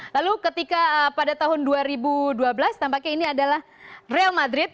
lalu ketika pada tahun dua ribu dua belas tampaknya ini adalah real madrid